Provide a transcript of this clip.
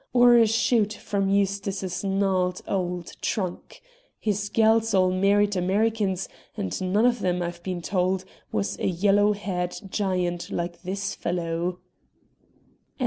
Or a shoot from Eustace's gnarled old trunk? His gals all married Americans, and one of them, I've been told, was a yellow haired giant like this fellow."